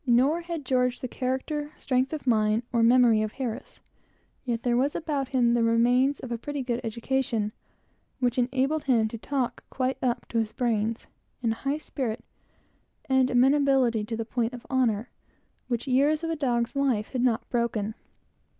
Neither had George the character, strength of mind, acuteness, or memory of Harris; yet there was about him the remains of a pretty good education, which enabled him to talk perhaps beyond his brains, and a high spirit and sense of honor, which years of a dog's life had not broken.